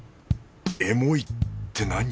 エモいってなに？